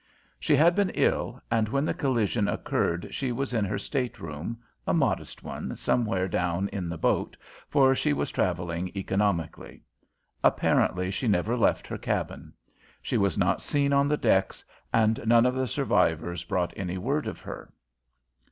She had been ill, and when the collision occurred she was in her stateroom, a modest one somewhere down in the boat, for she was travelling economically. Apparently she never left her cabin. She was not seen on the decks, and none of the survivors brought any word of her.